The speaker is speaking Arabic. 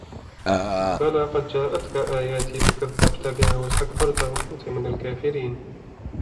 بَلَى قَدْ جَاءَتْكَ آيَاتِي فَكَذَّبْتَ بِهَا وَاسْتَكْبَرْتَ وَكُنْتَ مِنَ الْكَافِرِينَ